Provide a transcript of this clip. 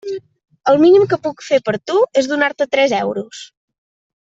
El mínim que puc fer per tu és donar-te tres euros.